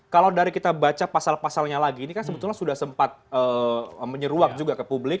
kalau dari kita baca pasal pasalnya lagi ini kan sebetulnya sudah sempat menyeruak juga ke publik